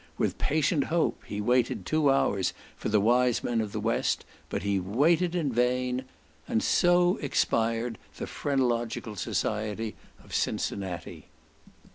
With patient hope, he waited two hours for the wise men of the west, but he waited in vain: and so expired the Phrenological Society of Cincinnati.